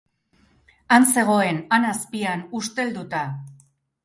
Han zegoen, han azpian, ustelduta!